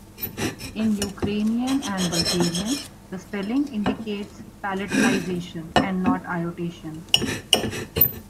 In Ukrainian and Bulgarian, the spelling indicates palatalization, not iotation.